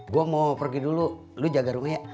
gue mau pergi dulu lu jaga rumahnya